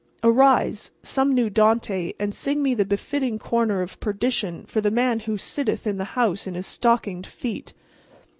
Arise, some new Dante, and sing me the befitting corner of perdition for the man who sitteth in the house in his stockinged feet.